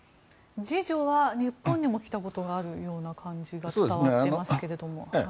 次女は日本にも来たことがあるような感じが伝わっていますけれども。